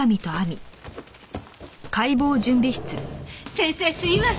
先生すいません。